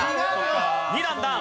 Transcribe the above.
２段ダウン。